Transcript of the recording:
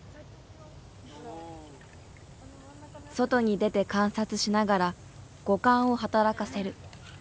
外に出て観察しながら五感を働かせる。